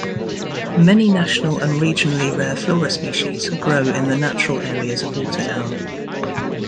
Many national and regionally rare flora species grow in the natural areas of Waterdown.